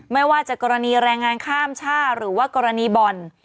ไม่ว่าจะกรณีแรงงานข้ามชาติหรือว่ากรณีบ่อน